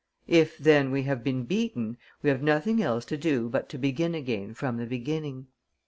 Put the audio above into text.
If, then, we have been beaten, we have nothing else to do but to begin again from the beginning.